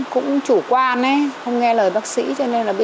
không nghe lời bác sĩ nói là không nghe lời bác sĩ nói là không nghe lời